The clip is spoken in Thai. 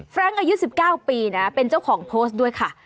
รงค์อายุ๑๙ปีนะเป็นเจ้าของโพสต์ด้วยค่ะ